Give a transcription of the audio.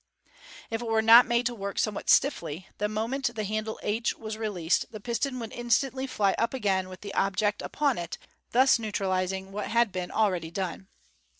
If it were not made to work somewhat stiffly, the moment the handle h was released the piston would instantly fly up again with the object upon it, thus neutralizing what had been already done.